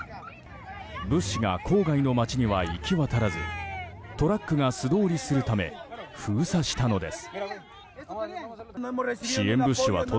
物資が郊外の町には行き渡らずトラックが素通りするため封鎖したのです。